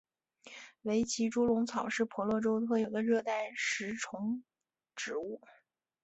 维奇猪笼草是婆罗洲特有的热带食虫植物。